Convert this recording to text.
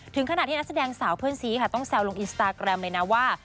ถึงขนาดที่นักแสดงสาวเพื่อนซีค่ะต้องแซวลงอินสตาแกรมเลยนะว่า